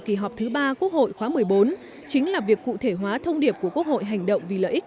kỳ họp thứ ba quốc hội khóa một mươi bốn chính là việc cụ thể hóa thông điệp của quốc hội hành động vì lợi ích